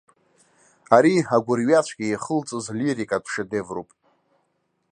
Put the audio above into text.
Ари агәырҩацәгьа иахылҵыз лирикатә шедевруп.